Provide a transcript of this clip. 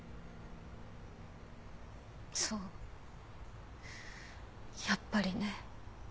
そうやっぱりね。